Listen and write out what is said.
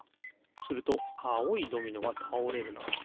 するとあおいドミノがたおれるな。